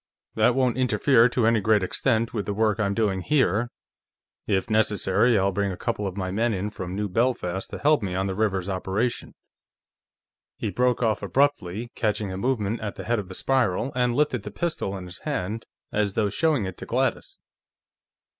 That won't interfere to any great extent with the work I'm doing here; if necessary, I'll bring a couple of my men in from New Belfast to help me on the Rivers operation." He broke off abruptly, catching a movement at the head of the spiral, and lifted the pistol in his hand, as though showing it to Gladys.